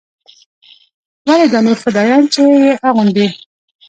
ولې دا نور فدايان چې يې اغوندي.